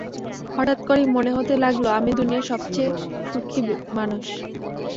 হঠাৎ করেই মনে হতে লাগলো আমি দুনিয়ার সবচে সুখী মানুষ।